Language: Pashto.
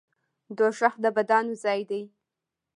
دوزخ د بدانو ځای دی